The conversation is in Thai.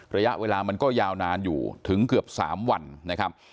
ระยะเวลามันก็ยาวนานอยู่ถึงเกือบ๓วันนะครับ